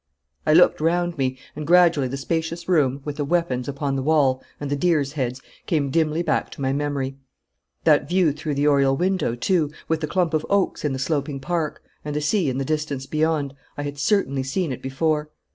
I looked round me, and gradually the spacious room, with the weapons upon the wall, and the deer's heads, came dimly back to my memory. That view through the oriel window, too, with the clump of oaks in the sloping park, and the sea in the distance beyond, I had certainly seen it before.